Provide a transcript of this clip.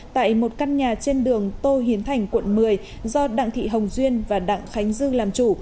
tại một căn nhà trên đường tô hiến thành quận một mươi do đặng thị hồng duyên và đặng khánh dương làm chủ